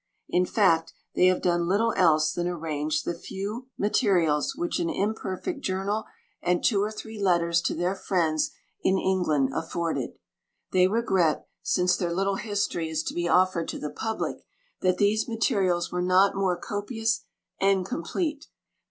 In fact, they have done little else than arrange the few mate IV rials which an imperfect journal, and two or three letters to their friends in England afforded. They regret, since their little History is to be offered to the public, that these materials were not more copious and complete.